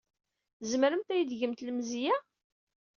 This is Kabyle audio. Tzemremt ad iyi-tgemt lemzeyya?